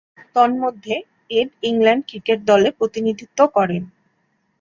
তন্মধ্যে, Ed England cricket দলে প্রতিনিধিত্ব করেন।